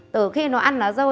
từ khi nó ăn lá dâu